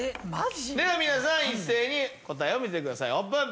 では皆さん一斉に答えお見せくださいオープン！